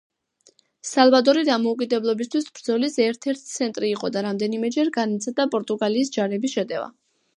სალვადორი დამოუკიდებლობისთვის ბრძოლის ერთ-ერთი ცენტრი იყო და რამდენიმეჯერ განიცადა პორტუგალიის ჯარების შეტევა.